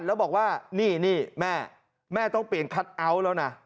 แล้วบอกว่านี่แม่แม่ต้องเปลี่ยนคัทเอาท์แล้วนะ